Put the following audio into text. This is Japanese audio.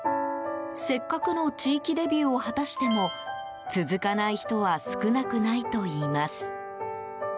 せっかくの地域デビューを果たしても続かない人は少なくないといいます。